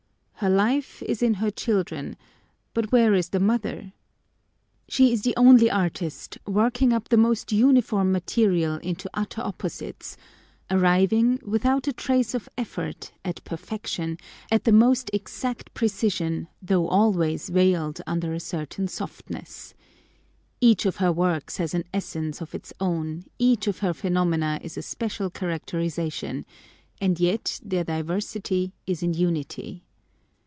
Her life is in her children; but where is the mother? She is the only artist ; working up the most uniform material into utter opposites ; arriving, without a trace of effort, at perfection, at the most exact precision, though always veiled under a certain softness. Each of her works has an essence of its own; each of her phenomena a special characterisation : and yet their diversity is in unity.